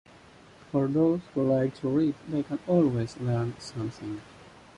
For those who like to read, they can always learn something.